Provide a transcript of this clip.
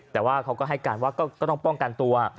แต่ว่าเขาก็ให้การว่าก็ต้องป้องกันตัว